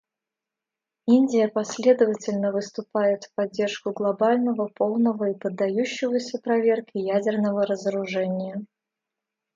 Индия последовательно выступает в поддержку глобального, полного и поддающегося проверке ядерного разоружения.